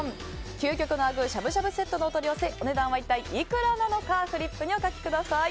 究極のあぐーしゃぶしゃぶセットお取り寄せお値段は一体いくらなのかフリップにお書きください。